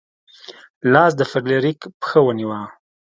لاس د فلیریک پښه ونیوه.